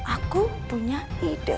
aku punya ide